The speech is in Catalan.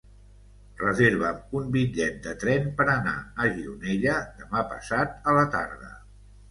Reserva'm un bitllet de tren per anar a Gironella demà passat a la tarda.